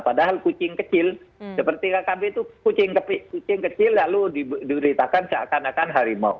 padahal kucing kecil seperti kkb itu kucing kucing kecil lalu diberitakan seakan akan harimau